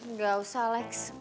nggak usah alex